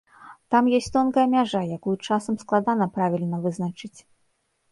Там ёсць тонкая мяжа, якую часам складана правільна вызначыць.